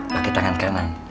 pakai tangan kanan